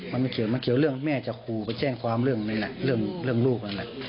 มันไม่เกี่ยวมันเกี่ยวเรื่องแม่จะครูไปแจ้งความเรื่องลูก